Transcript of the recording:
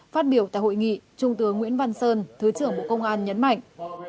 phát biểu tại hội nghị trung tướng nguyễn văn sơn thứ trưởng bộ công an nhấn mạnh